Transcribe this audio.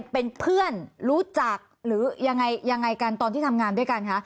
เป็นเพื่อนรู้จักหรือยังไงกันตอนที่ทำงานด้วยกันคะ